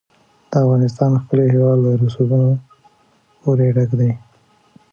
د افغانستان ښکلی هېواد له رسوبونو پوره ډک دی.